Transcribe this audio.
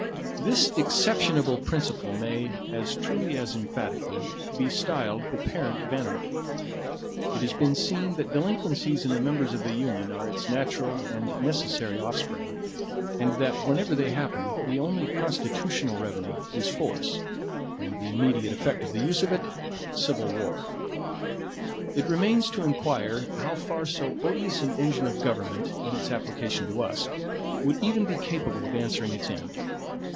This exceptionable principle may, as truly as emphatically, be styled the parent of anarchy: It has been seen that delinquencies in the members of the Union are its natural and necessary offspring; and that whenever they happen, the only constitutional remedy is force, and the immediate effect of the use of it, civil war. It remains to inquire how far so odious an engine of government, in its application to us, would even be capable of answering its end.